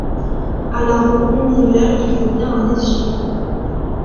À la roue univers il faut bien un essieu.